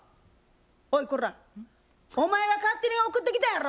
おいこらお前が勝手に送ってきたんやろ。